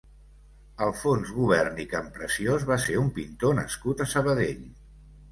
Alfons Gubern i Campreciós va ser un pintor nascut a Sabadell.